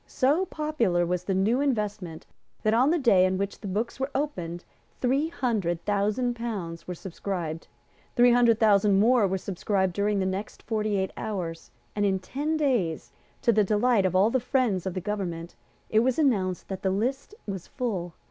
So popular was the new investment that on the day on which the books were opened three hundred thousand pounds were subscribed; three hundred thousand more were subscribed during the next forty eight hours; and, in ten days, to the delight of all the friends of the government, it was announced that the list was full.